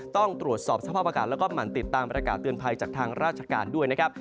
ต้องตรวจสอบสภาพอากาศแล้วก็หมั่นติดตามประกาศเตือนภัยจากทางราชการด้วยนะครับ